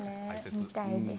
みたいです。